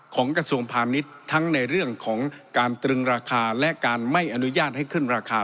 กระทรวงพาณิชย์ทั้งในเรื่องของการตรึงราคาและการไม่อนุญาตให้ขึ้นราคา